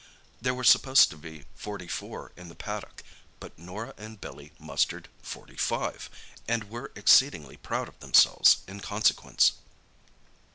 There were supposed to be forty four in the paddock, but Norah and Billy mustered forty five, and were exceedingly proud of themselves in consequence.